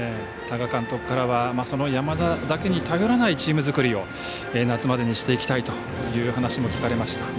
多賀監督からはその山田だけに頼らないチーム作りを夏までにしていきたいという話も聞かれました。